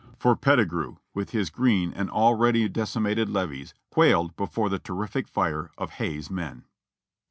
i6o) : "For Pettigrew with his green and already decimated levies quailed before the terrific fire of Hay's men."